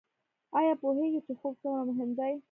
ایا پوهیږئ چې خوب څومره مهم دی؟